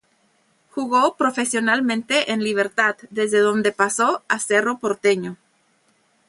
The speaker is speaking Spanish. Jugó profesionalmente en Libertad desde dónde pasó a Cerro Porteño.